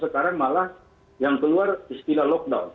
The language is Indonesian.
sekarang malah yang keluar istilah lockdown